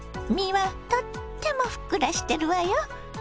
身はとってもふっくらしてるわよ。